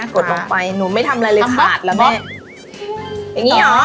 กดลงไปหน้ากลาง